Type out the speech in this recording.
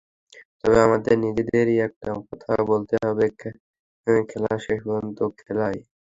তবে আমাদের নিজেদেরই একটা কথা বলতে হবে, খেলা শেষ পর্যন্ত খেলাই।